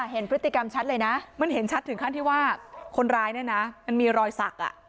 เห็นพฤติกรรมชัดเลยนะมันเห็นชัดถึงขั้นที่ว่าคนร้ายเนี่ยนะมันมีรอยสัก